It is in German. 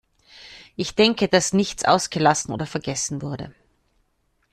Ich denke, dass nichts ausgelassen oder vergessen wurde.